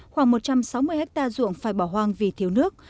khoảng một trăm sáu mươi hectare ruộng phải bỏ hoang vì thiếu nước